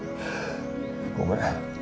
ごめん